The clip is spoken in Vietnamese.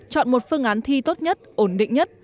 chọn một phương án thi tốt nhất ổn định nhất